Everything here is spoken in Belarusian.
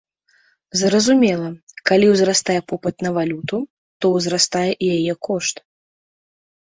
Зразумела, калі ўзрастае попыт на валюту, то ўзрастае і яе кошт.